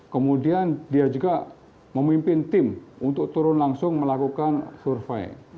kemudian dia juga memimpin tim untuk turun langsung melakukan survei